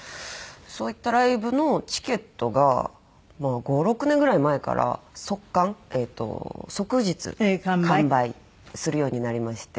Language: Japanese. そういったライブのチケットが５６年ぐらい前から即完即日完売するようになりまして。